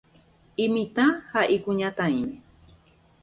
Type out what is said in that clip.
Imitã ha ikuñataĩme.